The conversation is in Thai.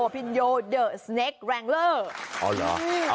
พี่พินโย